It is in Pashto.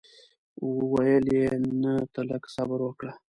ویل یې نه ته لږ صبر وکړه.